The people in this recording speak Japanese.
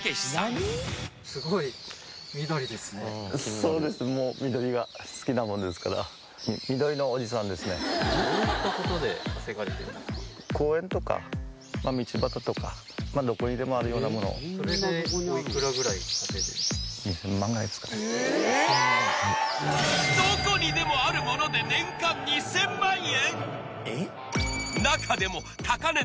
そうですもうどこにでもあるもので年間２０００万円？